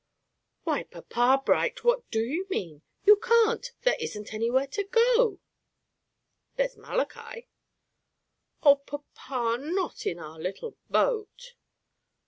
"Why, papa Bright, what do you mean? You can't! There isn't anywhere to go to." "There's Malachi." "Oh, papa, not in our little boat!"